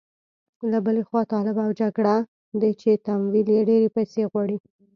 له بلې خوا طالب او جګړه ده چې تمویل یې ډېرې پيسې غواړي.